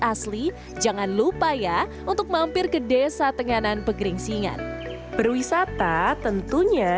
asli jangan lupa ya untuk mampir ke desa tenganan pegeringsingan perwisata tentunya